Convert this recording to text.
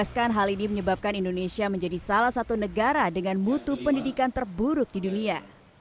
menegaskan hal ini menyebabkan indonesia menjadi salah satu negara dengan mutu pendidikan terburuk di dunia